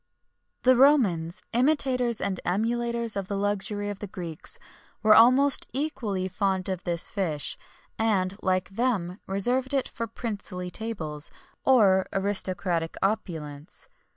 [XXI 33] The Romans, imitators and emulators of the luxury of the Greeks, were almost equally fond of this fish; and, like them, reserved it for princely tables, or aristocratic opulence.